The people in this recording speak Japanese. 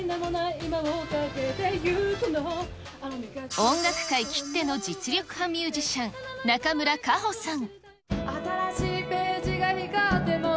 音楽界きっての実力派ミュージシャン、中村佳穂さん。